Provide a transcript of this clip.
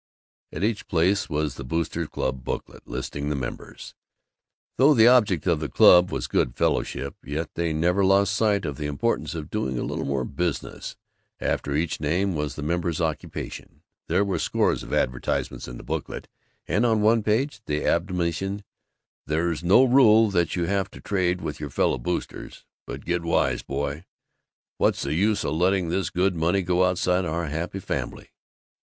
At each place was the Boosters' Club booklet, listing the members. Though the object of the club was good fellowship, yet they never lost sight of the importance of doing a little more business. After each name was the member's occupation. There were scores of advertisements in the booklet, and on one page the admonition: "There's no rule that you have to trade with your Fellow Boosters, but get wise, boy what's the use of letting all this good money get outside of our happy fambly?"